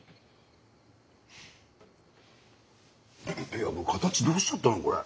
いや形どうしちゃったのこれ？